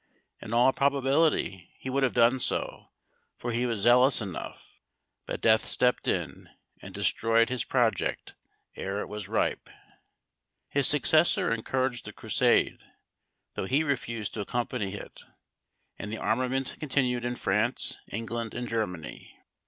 In all probability he would have done so, for he was zealous enough; but death stepped in, and destroyed his project ere it was ripe. His successor encouraged the Crusade, though he refused to accompany it; and the armament continued in France, England, and Germany.